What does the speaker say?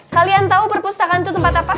kalian tahu perpustakaan itu tempat apa